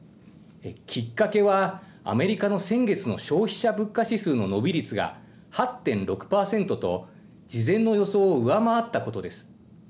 きっかけは、アメリカの先月の消費者物価指数の伸び率が８．６％と、事前の予想を上回ったことです。